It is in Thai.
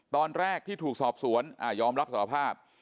ตอนแรกที่ถูกสอบสวนยอมรับสารภาพ